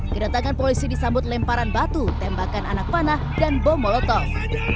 kedatangan polisi disambut lemparan batu tembakan anak panah dan bom molotov